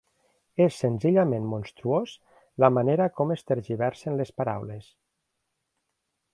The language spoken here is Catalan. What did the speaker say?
És senzillament monstruós la manera com es tergiversen les paraules.